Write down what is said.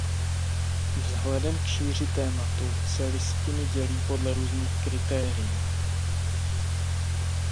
Vzhledem k šíři tématu se listiny dělí podle různých kritérií.